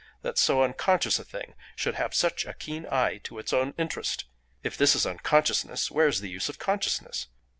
that so unconscious a thing should have such a keen eye to its own interest. If this is unconsciousness, where is the use of consciousness?